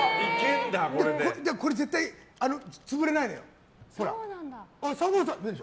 これ絶対潰れないのよ。